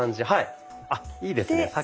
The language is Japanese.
はいいいですね。